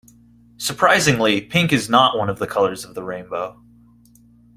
Surprisingly, pink is not one of the colours of the rainbow.